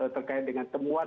terkait dengan temuan